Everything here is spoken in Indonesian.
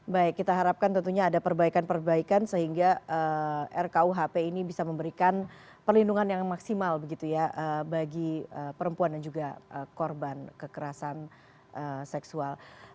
baik kita harapkan tentunya ada perbaikan perbaikan sehingga rkuhp ini bisa memberikan perlindungan yang maksimal begitu ya bagi perempuan dan juga korban kekerasan seksual